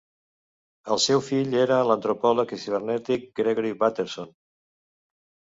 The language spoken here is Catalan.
El seu fill era l'antropòleg i cibernètic Gregory Bateson.